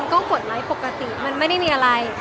ก็กดไลค์ปกติมันไม่ได้มีอะไร